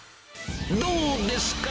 どうですか？